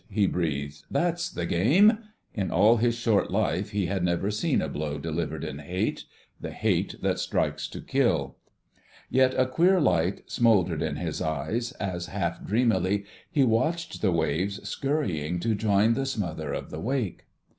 he breathed. "That's the game...!" In all his short life he had never seen a blow delivered in hate—the hate that strikes to kill. Yet a queer light smouldered in his eyes as half dreamily he watched the waves scurrying to join the smother of the wake.